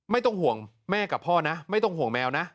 ไม่ต้องห่วงแม่กับพ่อนะไม่ต้องห่วงแมวนะ